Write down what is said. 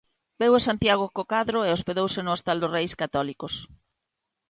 Veu a Santiago co cadro e hospedouse no Hostal dos Reis Católicos;